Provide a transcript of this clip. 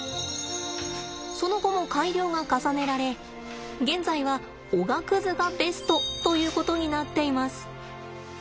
その後も改良が重ねられ現在はおがくずがベストということになっています。